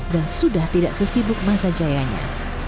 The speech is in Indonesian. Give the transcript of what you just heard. dan sudah tidak sesibuk masa jayanya